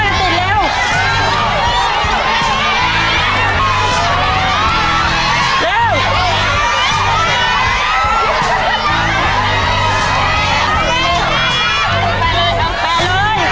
เกิดไปเลย